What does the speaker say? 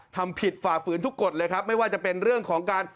ทำผิดฝ่าฝืนทุกกฎเลยครับไม่ว่าจะเป็นเรื่องของการ